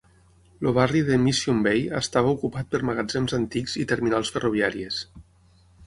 El barri de Mission Bay estava ocupat per magatzems antics i terminals ferroviàries.